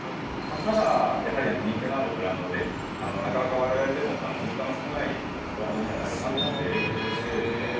「ただやはり人気のあるブランドでなかなか我々でも入荷の少ないブランドにはなりますので」